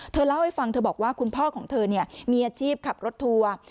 เธอเล่าให้ฟังเธอบอกว่าคุณพ่อของเธอมีอาชีพขับรถทัวร์